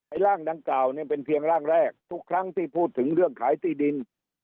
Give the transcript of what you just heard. ร่างดังกล่าวเนี่ยเป็นเพียงร่างแรกทุกครั้งที่พูดถึงเรื่องขายที่ดิน